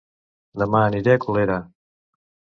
Dema aniré a Colera